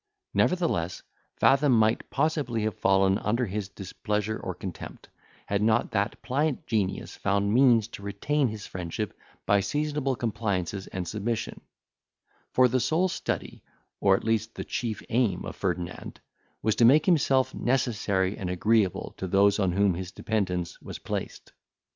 Nevertheless, Fathom might possibly have fallen under his displeasure or contempt, had not that pliant genius found means to retain his friendship by seasonable compliances and submission; for the sole study, or at least the chief aim of Ferdinand, was to make himself necessary and agreeable to those on whom his dependence was placed.